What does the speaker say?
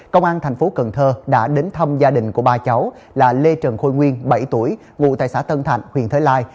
công an thành phố cần thơ đã đến thăm gia đình của ba cháu là lê trần khôi nguyên bảy tuổi ngụ tại xã tân thạnh huyện thới lai